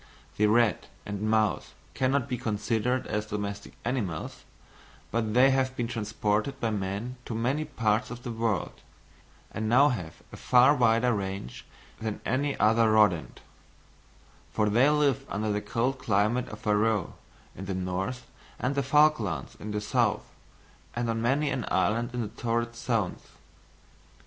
The rat and mouse cannot be considered as domestic animals, but they have been transported by man to many parts of the world, and now have a far wider range than any other rodent; for they live under the cold climate of Faroe in the north and of the Falklands in the south, and on many an island in the torrid zones.